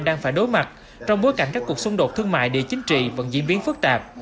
đang phải đối mặt trong bối cảnh các cuộc xung đột thương mại địa chính trị vẫn diễn biến phức tạp